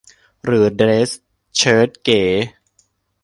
หรือเดรสเชิ้ตเก๋